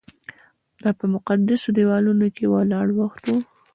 دا په مقدسو دیوالونو کې ولاړ وخت و.